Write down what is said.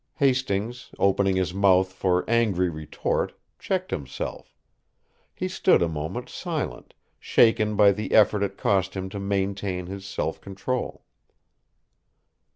Hastings, opening his mouth for angry retort, checked himself. He stood a moment silent, shaken by the effort it cost him to maintain his self control.